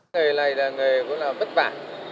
nghề này là nghề vất vả